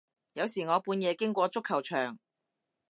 有時我半夜經過足球場